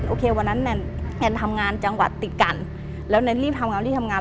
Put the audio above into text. โอเควันนั้นแนนทำงานจังหวัดติดกันแล้วแนนรีบทำงานรีบทำงาน